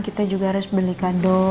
kita juga harus beli kado